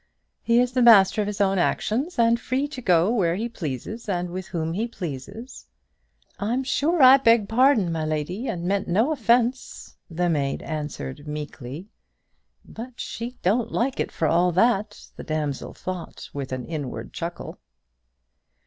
"He is the master of his own actions, and free to go where he pleases and with whom he pleases." "I'm sure I beg pardon, my lady, and meant no offence," the maid answered, meekly. "But she don't like it for all that," the damsel thought, with an inward chuckle.